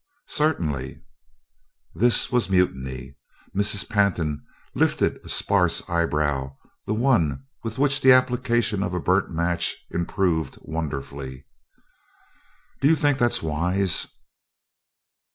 "Certainly." This was mutiny. Mrs. Pantin lifted a sparse eyebrow the one which the application of a burnt match improved wonderfully. "Do you think that's wise?"